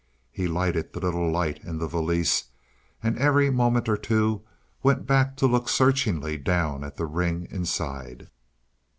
He lighted the little light in the valise, and, every moment or two, went back to look searchingly down at the ring inside.